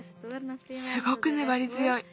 すごくねばりづよい。